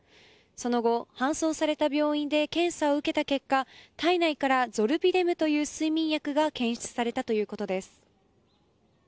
その後、搬送された病院で検査を受けた結果体内からゾルビデムという睡眠薬が検出されたということです。